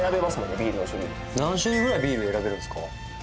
ビールの種類何種類ぐらいビール選べるんですか？